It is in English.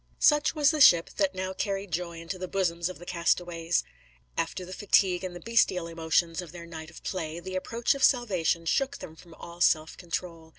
Such was the ship that now carried joy into the bosoms of the castaways. After the fatigue and the bestial emotions of their night of play, the approach of salvation shook them from all self control.